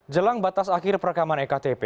jelang batas akhir perekaman ektp